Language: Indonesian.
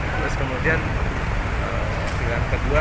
terus kemudian kemudian kedua